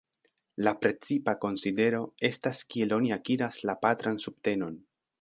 La precipa konsidero estas kiel oni akiras la patran subtenon.